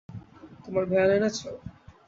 তোমার ভ্যান এনেছো?